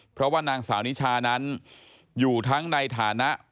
เพราะว่านางสาวนิชานั้นอยู่ทั้งในฐานะ